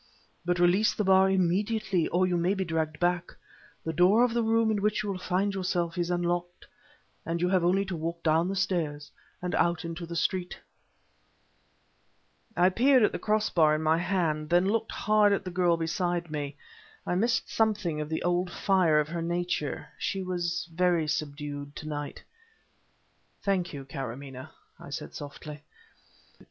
But release the bar immediately, or you may be dragged back. The door of the room in which you will find yourself is unlocked, and you have only to walk down the stairs and out into the street." I peered at the crossbar in my hand, then looked hard at the girl beside me. I missed something of the old fire of her nature; she was very subdued, tonight. "Thank you, Karamaneh," I said, softly.